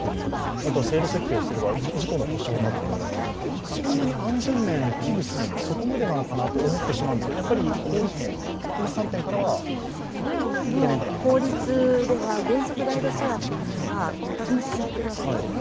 あとは制度設計をすれば、事故の補償などの、そんなに安全面を危惧する、そこまでなのかなと思ってしまうんですけど、今の法律だと原則ライドシェアっていうのは禁止されているわけなんですよね。